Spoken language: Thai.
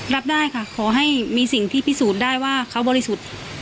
รับได้ค่ะขอให้มีสิ่งที่พิสูจน์ได้ว่าเขาบริสุทธิ์